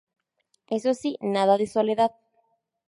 Eso sí, nada de soledad.